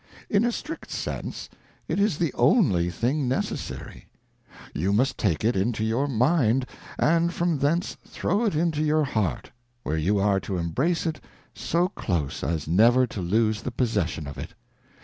In a strict sense, it is the only thing necessary: you must take it into your Mind, and from thence throw it into your Heart, where you are to embrace it so close as never to lose the Possession RELIGION. Possession of it.